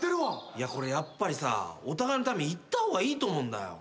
いやこれやっぱりさお互いのために言った方がいいと思うんだよ。